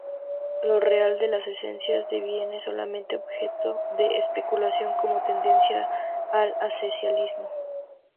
Lo real de las esencias deviene solamente objeto de especulación, como tendencia al esencialismo.